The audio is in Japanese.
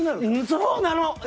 そうなの！